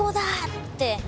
って